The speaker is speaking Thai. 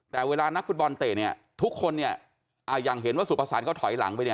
แต่เวลานักฟุตบอลเตะเนี่ยทุกคนเนี่ยอย่างเห็นว่าสุภาษาเขาถอยหลังไปเนี่ย